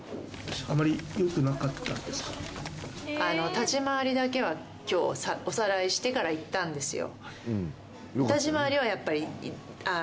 立廻りだけは今日おさらいしてから行ったんですよ。